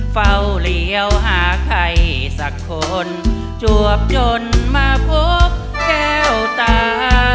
เฝ้าเหลียวหาใครสักคนจวบจนมาพบแก้วตา